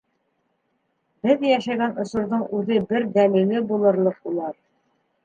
Беҙ йәшәгән осорҙоң үҙе бер дәлиле булырлыҡ улар.